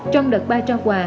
trong đợt ba trao quà